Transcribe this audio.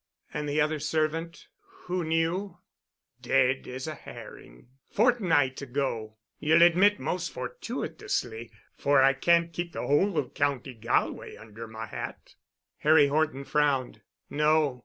"And the other servant—who knew—?" "Dead as a herring—a fortnight ago—ye'll admit most fortuitously—for I can't keep the whole of County Galway under my hat." Harry Horton frowned. "No.